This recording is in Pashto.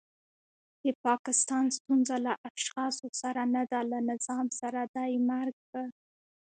د پاکستان ستونزه له اشخاصو سره نده له نظام سره دی. مرګ په